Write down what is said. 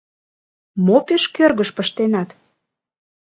— Мо пеш кӧргыш пыштенат?